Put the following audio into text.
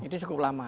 itu cukup lama